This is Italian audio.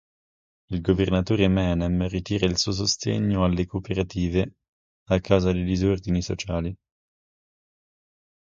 Il governatore Menem ritira il suo sostegno alle cooperative a causa dei “disordini sociali”.